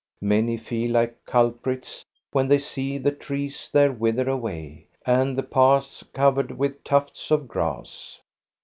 Many feel like culprits when they see the trees there wither away, and the paths covered with tufts of grass.